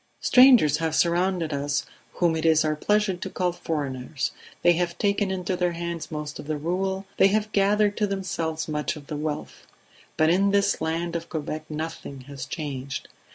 "Strangers have surrounded us whom it is our pleasure to call foreigners; they have taken into their hands most of the rule, they have gathered to themselves much of the wealth; but in this land of Quebec nothing has changed.